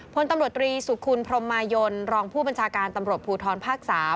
พลตำรวจตรีสุคุณพรมมายนรองผู้บัญชาการตำรวจภูทรภาค๓